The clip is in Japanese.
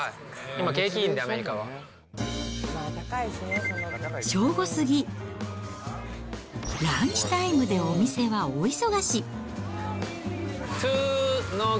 今景気いいんで、アメ正午過ぎ、ランチタイムでお店は大忙し。